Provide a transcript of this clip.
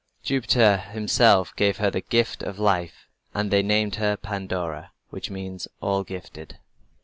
Jupiter himself gave her the gift of life, and they named her Pandora, which means "all gifted."